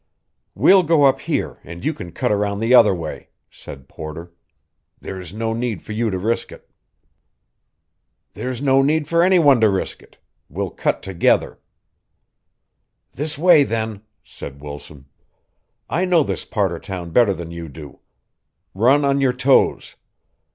"We'll go up here, and you can cut around the other way," said Porter. "There's no need for you to risk it." "There's no need for any one to risk it. We'll cut together." "This way then," said Wilson. "I know this part of town better than you do. Run on your toes."